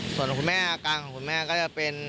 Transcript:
ส่วนคุณแม่อาการของคุณแม่ก็จะเป็น